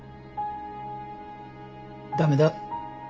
駄目だ。